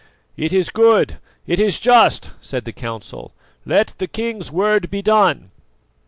"It is good, it is just!" said the council. "Let the king's word be done."